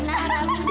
inarang juga nabi